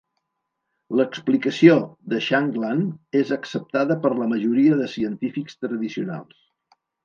L'explicació de Shankland és acceptada per la majoria de científics tradicionals.